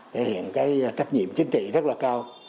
thể hiện cái trách nhiệm chính trị rất là cao